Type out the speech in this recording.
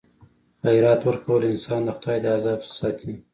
خیرات ورکول انسان د خدای د عذاب څخه ساتي.